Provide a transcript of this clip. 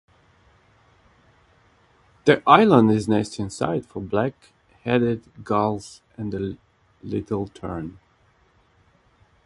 The Island is nesting site for black-headed gulls and the little tern.